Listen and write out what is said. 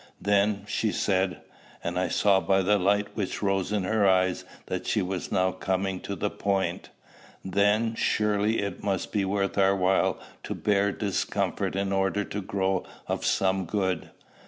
"Then," she said, and I saw by the light which rose in her eyes that she was now coming to the point, "Then, surely it must be worth our while to bear discomfort in order to grow of some good!